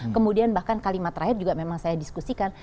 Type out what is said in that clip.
kemudian bahkan kalimat terakhir juga memang saya diskusikan